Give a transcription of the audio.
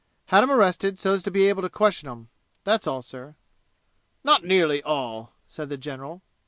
Had 'em arrested so's to be able to question 'em. That's all, sir." "Not nearly all!" said the general.